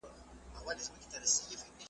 کروندې د خلکو اړتیاوې پوره کوي.